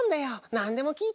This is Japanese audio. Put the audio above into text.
なんでもきいて！